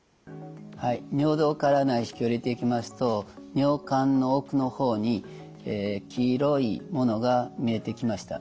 はい尿道から内視鏡を入れていきますと尿管の奥の方に黄色いものが見えてきました。